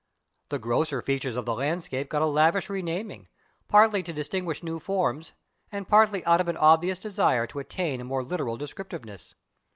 The grosser features of the landscape got a lavish renaming, partly to distinguish new forms and partly out of an obvious desire to attain a more literal descriptiveness.